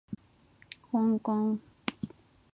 こんこん